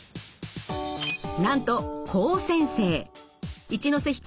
なんと高専生。